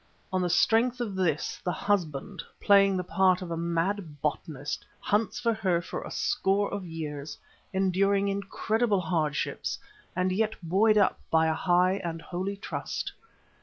On the strength of this the husband, playing the part of a mad botanist, hunts for her for a score of years, enduring incredible hardships and yet buoyed up by a high and holy trust.